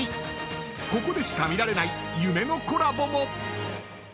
［ここでしか見られない夢のコラボも］